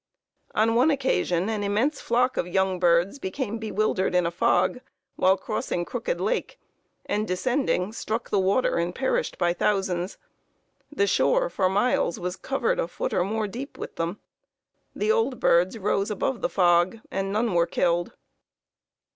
"On one occasion an immense flock of young birds became bewildered in a fog while crossing Crooked Lake, and descending struck the water and perished by thousands. The shore for miles was covered a foot or more deep with them. The old birds rose above the fog, and none were killed.